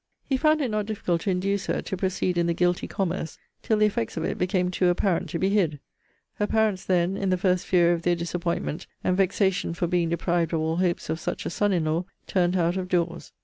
He found it not difficult to induce her to proceed in the guilty commerce, till the effects of it became to apparent to be hid. Her parents then (in the first fury of their disappointment, and vexation for being deprived of all hopes of such a son in law) turned her out of doors.